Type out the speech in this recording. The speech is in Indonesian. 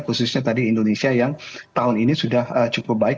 khususnya tadi indonesia yang tahun ini sudah cukup baik